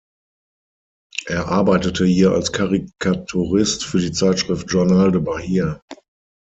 Er arbeitete hier als Karikaturist für die Zeitschrift "Journal de Bahia".